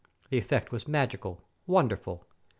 The effect was magical, wonderful.